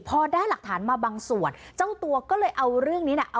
พอได้หลักฐานมาบางส่วน